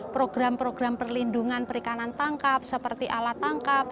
program program perlindungan perikanan tangkap seperti alat tangkap